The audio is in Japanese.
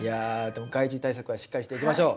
でも害虫対策はしっかりしていきましょう。